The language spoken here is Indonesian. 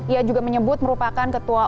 ia juga menyebut merupakan ketua